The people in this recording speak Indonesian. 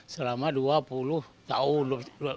selama dua puluh tahun